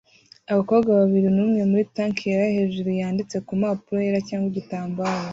Abakobwa babiri numwe muri tank yera hejuru yanditse kumpapuro yera cyangwa igitambaro